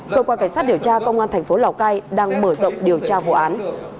cơ quan cảnh sát điều tra công an tp lào cai đang mở rộng điều tra vụ án